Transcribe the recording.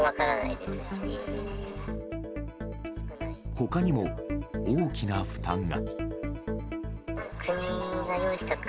他にも大きな負担が。